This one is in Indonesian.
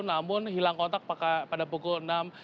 namun hilang kontak pada pukul enam tiga puluh tiga